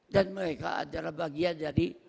dan mereka adalah bagian dari